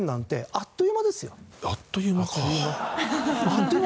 あっという間？